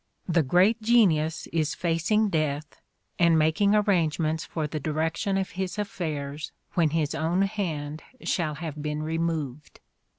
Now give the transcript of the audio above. The great genius is facing death and making arrangements for the direction of his affairs when his own hand shall have been removed.